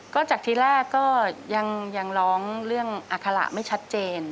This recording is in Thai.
ก็จากที่แรกก็ยังร้องเรื่องอัคระไม่ชัดเจน